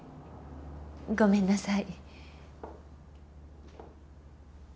ごめんなさい。